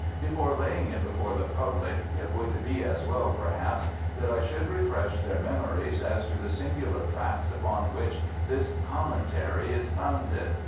Before laying it before the public it would be as well, perhaps, that I should refresh their memories as to the singular facts upon which this commentary is founded.